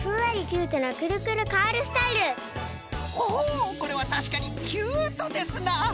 おおこれはたしかにキュートですな。